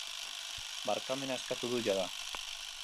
Barkamena eskatu du jada.